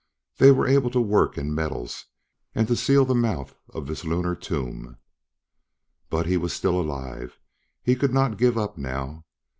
They were able to work in metals and to seal the mouth of this lunar tomb. But he was still alive; he could not give up now.